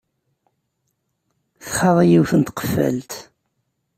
Txaḍ yiwet n tqeffalt.